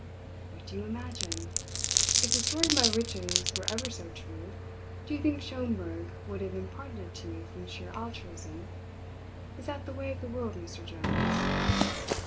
What do you imagine? If the story of my riches were ever so true, do you think Schomberg would have imparted it to you from sheer altruism? Is that the way of the world, Mr. Jones?"